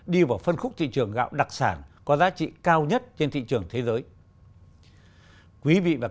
đi vào phân khúc thị trường gạo đặc sản có giá trị cao nhất trên thị trường thế giới